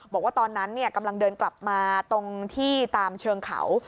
บอกว่าตอนนั้นกำลังเดินกลับมาตรงที่ตามเชิงเขา